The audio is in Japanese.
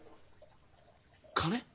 金？